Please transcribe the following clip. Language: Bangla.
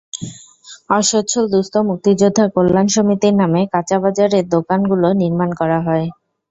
অসচ্ছল দুস্থ মুক্তিযোদ্ধা কল্যাণ সমিতির নামে কাঁচাবাজারের দোকানগুলো নির্মাণ করা হয়।